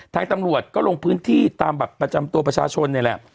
ท้ายตำรวจลงพื้นที่ตามประจำประชาชน